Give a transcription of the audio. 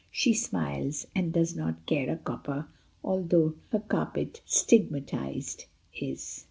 She smiles, and does not care a copper, Although her carpet stigmatized is.